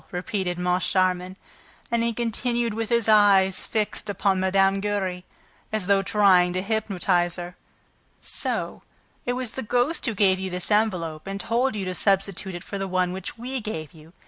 repeated Moncharmin. And he continued with his eyes fixed upon Mme. Giry, as though trying to hypnotize her. "So it was the ghost who gave you this envelope and told you to substitute it for the one which we gave you?